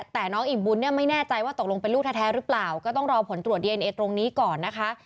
แต่น้องอิ่มบุญเนี่ยไม่แน่ใจว่าตกลงเป็นลูกแท้หรือเปล่าก็ต้องรอผลตรวจดีเอนเอตรงนี้ก่อนนะคะ